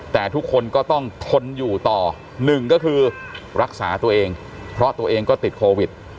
แต่ทุกคนก็ต้องทนอยู่ต่อหนึ่งก็คือรักษาตัวเองเพราะตัวเองก็ติดโควิด